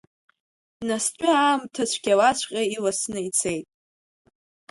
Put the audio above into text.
Настәи аамҭа цәгьалаҵәҟьа иласны ицеит.